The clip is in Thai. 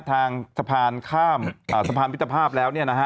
ทางสะพานข้ามสะพานวิทธภาพแล้ว